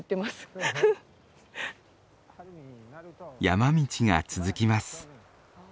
山道が続きます。